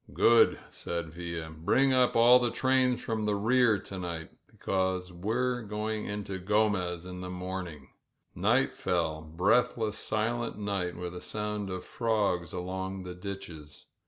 ^^Good," said Villa. ''Bring up all the trains fi the rear to night, because we're going into Gromez in morning f Night feU; breathless, silent night, with a sounc frogs along the ditches.